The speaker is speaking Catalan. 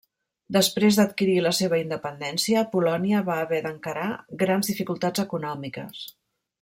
Després d'adquirir la seva independència, Polònia va haver d'encarar grans dificultats econòmiques.